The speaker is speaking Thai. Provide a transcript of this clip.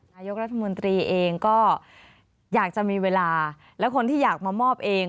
นายกรัฐมนตรีเองก็อยากจะมีเวลาและคนที่อยากมามอบเอง